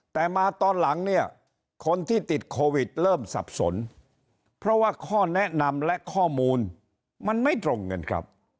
แต่มาตอนหลังเนี่ยคนที่ติดโควิดเริ่มสับสนเพราะว่าข้อแนะนำและข้อมูลมันไม่ตรงกันครับ